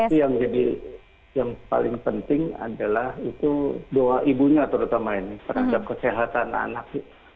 itu yang jadi yang paling penting adalah itu doa ibunya terutama ini terhadap kesehatan anak